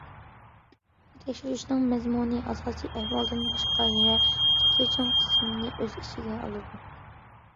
بۇ تەكشۈرۈشنىڭ مەزمۇنى ئاساسىي ئەھۋالدىن باشقا يەنە ئىككى چوڭ قىسىمنى ئۆز ئىچىگە ئالىدۇ.